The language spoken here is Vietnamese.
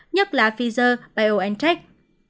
nhất là pfizer biontech